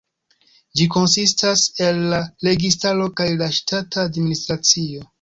Ĝi konsistas el la registaro kaj la ŝtata administracio.